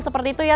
seperti itu ya